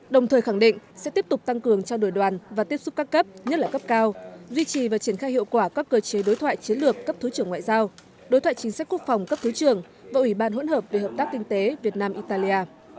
đồng thời khẳng định sẽ tiếp tục tăng cường trao đổi đoàn và tiếp xúc các cấp nhất là cấp cao duy trì và triển khai hiệu quả các cơ chế đối thoại chiến lược cấp thứ trưởng ngoại giao đối thoại chính sách quốc phòng cấp thứ trưởng và ủy ban hỗn hợp về hợp tác kinh tế việt nam italia